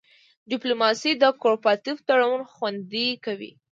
ډیپلوماسي د کوپراتیف تړون خوندي کوي